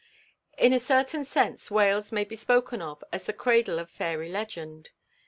In a certain sense Wales may be spoken of as the cradle of fairy legend.